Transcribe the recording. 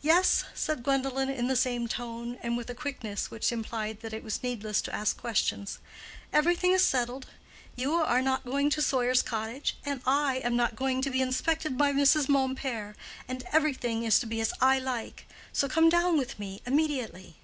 "Yes," said Gwendolen, in the same tone, and with a quickness which implied that it was needless to ask questions. "Everything is settled. You are not going to Sawyer's Cottage, I am not going to be inspected by Mrs. Mompert, and everything is to be as I like. So come down with me immediately."